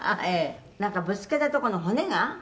「なんかぶつけたとこの骨が」